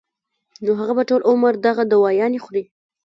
نو هغه به ټول عمر دغه دوايانې خوري